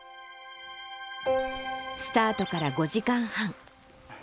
スタートから５時間半。